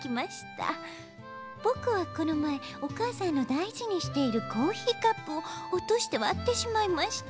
「ぼくはこのまえおかあさんのだいじにしているコーヒーカップをおとしてわってしまいました」。